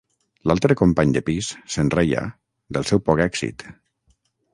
L’altre company de pis, se’n reia, del seu poc èxit...